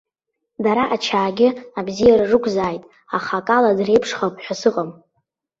Дара ачаагьы абзиара рықәзааит, аха акала дреиԥшхап ҳәа сыҟам!